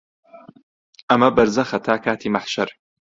ئەمە بەرزەخە تا کاتی مەحشەر